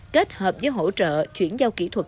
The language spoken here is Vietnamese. kết hợp với hỗ trợ chuyển giao kỹ thuật